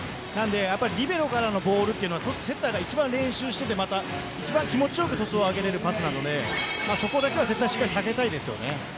リベロからのボールはセッターが一番練習していて一番気持ちよくトスを上げられるパスなのでそこだけは避けたいです。